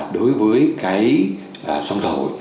đối với cái xăng dầu